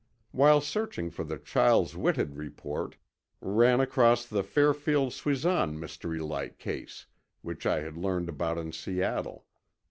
While searching for the Chiles Whitted report, ran across the Fairfield Suisan mystery light case, which I had learned about in Seattle.